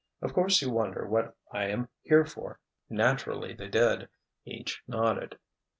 Of course you wonder what I am here for." Naturally they did. Each nodded.